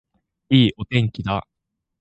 いいお天気だ